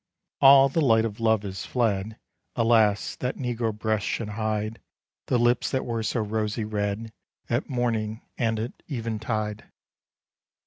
All the light of love is fled: Alas! that negro breasts should hide The lips that were so rosy red, At morning and at even tide!